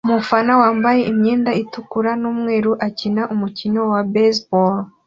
Umufata wambaye imyenda itukura numweru akina umukino wa baseball